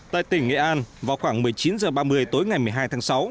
tại tỉnh nghệ an vào khoảng một mươi chín h ba mươi tối ngày một mươi hai tháng sáu